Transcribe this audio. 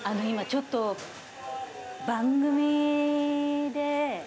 今ちょっと番組で。